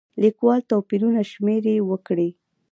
لیکوال توپیرونه شمېرې وکړي.